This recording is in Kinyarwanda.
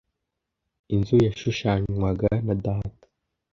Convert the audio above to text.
Inzu yashushanywaga na data.